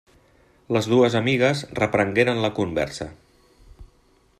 Les dues amigues reprengueren la conversa.